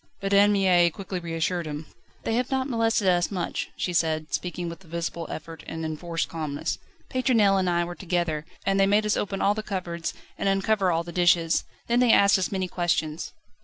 But Anne Mie quickly reassured him. "They have not molested us much," she said, speaking with a visible effort and enforced calmness. "Pétronelle and I were together, and they made us open all the cupboards and uncover all the dishes. They then asked us many questions."